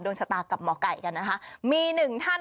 โดนชะตาน้ำกับหมอไก่ส์นั้นนะคะ